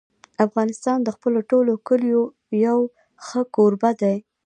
افغانستان د خپلو ټولو کلیو یو ښه کوربه دی.